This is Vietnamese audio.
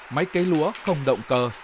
máy cây lúa không động cơ